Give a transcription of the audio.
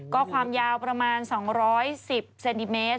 ก็ความยาวประมาณ๒๑๐เซนติเมตร